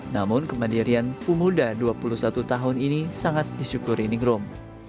namun kemandirian pemuda dua puluh satu tahun ini sangat disyukuri ningrum